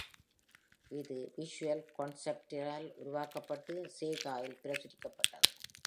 இது Visual Concepts ஆல் உருவாக்கப்பட்டு Sega ஆல் பிரசுரிக்கப்பட்டது.